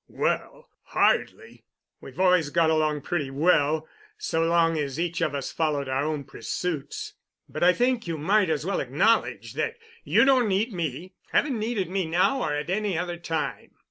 "Well—hardly. We've always got along pretty well, so long as each of us followed our own pursuits. But I think you might as well acknowledge that you don't need me—haven't needed me now or at any other time."